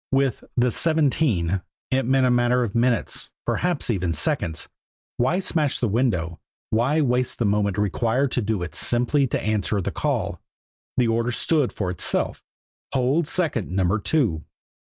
With the "seventeen" it meant a matter of minutes, perhaps even seconds. Why smash the window? Why waste the moment required to do it simply to answer the call? The order stood for itself "Hold second Number Two."